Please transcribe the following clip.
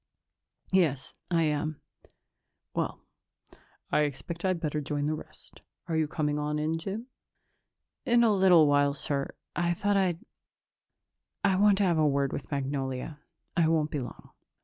"Yes, I am." "Well, I expect I'd better join the rest. Are you coming on in, Jim?" "In a little while, sir. I thought I'd I wanted to have a word with Magnolia. I won't be long."